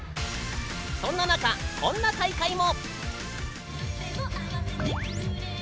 そんな中こんな大会も！